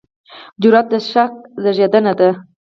جرئت د شک زېږنده دی.